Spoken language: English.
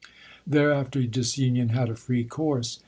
Thereafter disunion had a free course.